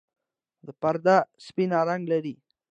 دا پرده سپین رنګ لري.